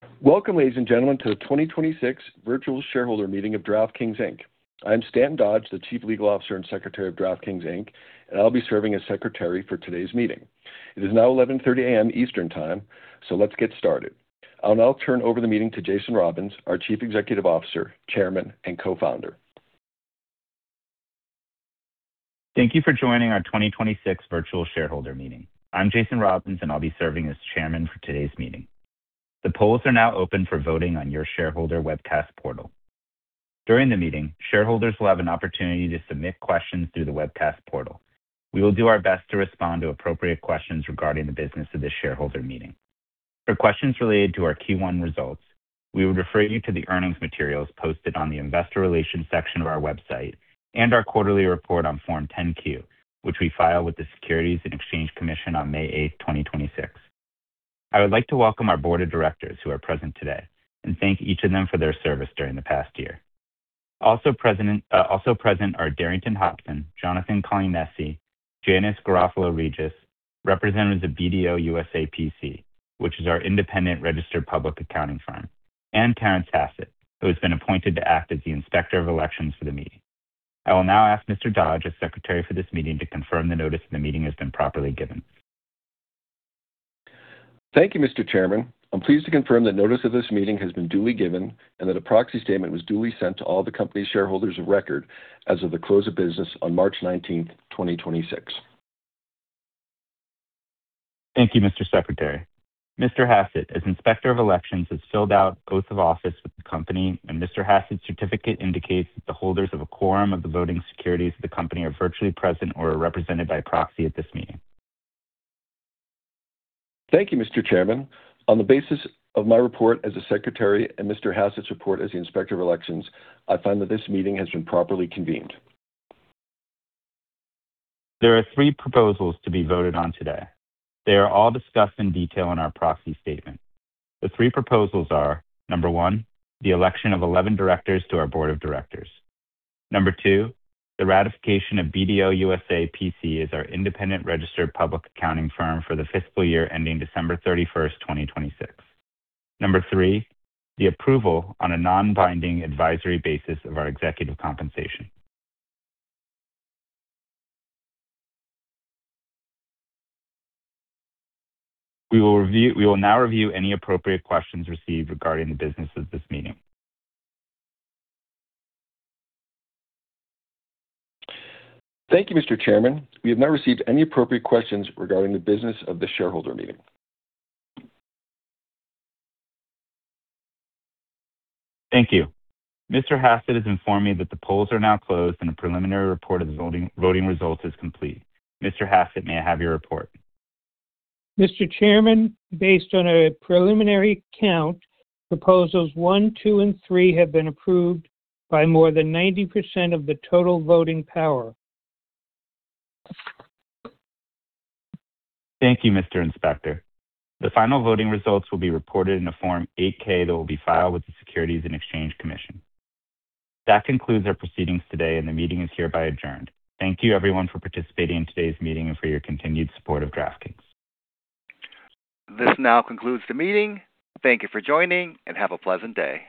Welcome, ladies and gentlemen, to the 2026 virtual shareholder meeting of DraftKings Inc. I'm Stan Dodge, the Chief Legal Officer and Secretary of DraftKings Inc., and I'll be serving as Secretary for today's meeting. It is now 11:30 A.M. Eastern time. Let's get started. I'll now turn over the meeting to Jason Robins, our Chief Executive Officer, Chairman, and Co-founder. Thank you for joining our 2026 virtual shareholder meeting. I'm Jason Robins, and I'll be serving as chairman for today's meeting. The polls are now open for voting on your shareholder webcast portal. During the meeting, shareholders will have an opportunity to submit questions through the webcast portal. We will do our best to respond to appropriate questions regarding the business of this shareholder meeting. For questions related to our Q1 results, we would refer you to the earnings materials posted on the investor relations section of our website and our quarterly report on Form 10-Q, which we filed with the Securities and Exchange Commission on May 8, 2026. I would like to welcome our board of directors who are present today and thank each of them for their service during the past year. Also present are Darrington Hopson, Jonathan Kolinesky, Janice Garofalo-Regis, representatives of BDO USA, P.C., which is our independent registered public accounting firm, and Terence Hassett, who has been appointed to act as the inspector of elections for the meeting. I will now ask Mr. Dodge as secretary for this meeting to confirm the notice that the meeting has been properly given. Thank you, Mr. Chairman. I'm pleased to confirm that notice of this meeting has been duly given and that a proxy statement was duly sent to all the company's shareholders of record as of the close of business on March 19th, 2026. Thank you, Mr. Secretary. Mr. Hassett, as Inspector of elections, has filled out oath of office with the company. Mr. Hassett's certificate indicates that the holders of a quorum of the voting securities of the company are virtually present or represented by proxy at this meeting. Thank you, Mr. Chairman. On the basis of my report as a secretary and Mr. Hassett's report as the Inspector of Elections, I find that this meeting has been properly convened. There are three proposals to be voted on today. They are all discussed in detail in our proxy statement. The three proposals are, Number one, the election of 11 directors to our board of directors. Number two, the ratification of BDO USA, P.C. as our independent registered public accounting firm for the fiscal year ending December 31st, 2026. Number three, the approval on a non-binding advisory basis of our executive compensation. We will now review any appropriate questions received regarding the business of this meeting. Thank you, Mr. Chairman. We have not received any appropriate questions regarding the business of the shareholder meeting. Thank you. Mr. Hassett has informed me that the polls are now closed and a preliminary report of the voting results is complete. Mr. Hassett, may I have your report? Mr. Chairman, based on a preliminary count, proposals one, two, and three have been approved by more than 90% of the total voting power. Thank you, Mr. Inspector. The final voting results will be reported in a Form 8-K that will be filed with the Securities and Exchange Commission. That concludes our proceedings today, and the meeting is hereby adjourned. Thank you, everyone, for participating in today's meeting and for your continued support of DraftKings. This now concludes the meeting. Thank you for joining. Have a pleasant day.